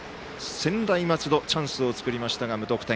専大松戸チャンスを作りましたが無得点。